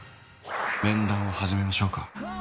面談を始めましょうか。